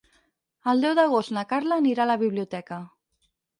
El deu d'agost na Carla anirà a la biblioteca.